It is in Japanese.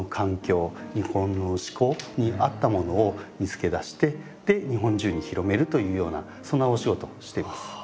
日本の嗜好に合ったものを見つけ出して日本中に広めるというようなそんなお仕事をしてます。